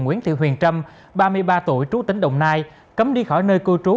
nguyễn thị huyền trâm ba mươi ba tuổi trú tỉnh đồng nai cấm đi khỏi nơi cư trú